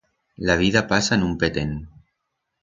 La vida pasa en un petén.